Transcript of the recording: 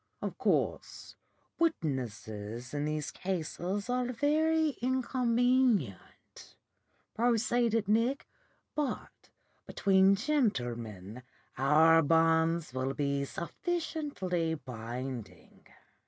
'Of course witnesses in these cases are very inconvenient,' proceeded Nick, 'but between gentlemen our bonds will be sufficiently binding.